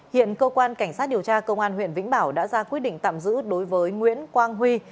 hiện cơ quan cảnh sát điều tra công an huyện vĩnh bảo đã ra quyết định tạm giữ đối với nguyễn quang huy